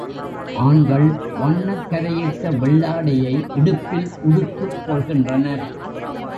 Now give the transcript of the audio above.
ஆண்கள் வண்ணக் கரையிட்ட வெள்ளாடையை இடுப்பில் உடுத்துக் கொள்கின்றனர்.